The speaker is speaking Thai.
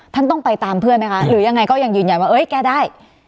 ท่านต้องไปตามเพื่อนไหมคะหรือยังไงก็ยังยืนยันว่าเอ้ยแก้ได้